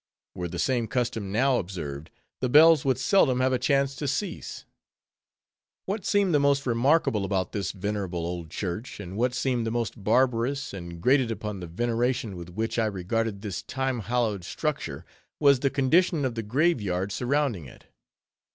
Were the same custom now observed, the bells would seldom have a chance to cease. What seemed the most remarkable about this venerable old church, and what seemed the most barbarous, and grated upon the veneration with which I regarded this time hallowed structure, was the condition of the grave yard surrounding it.